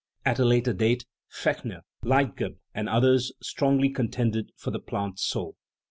At a later date Fechner, Leit geb, and others strongly contended for the plant soul.